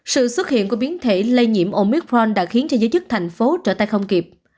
sự xuất hiện của biến thể lây nhiễm omicron đã khiến cho giới chức thành phố trở tay không kịp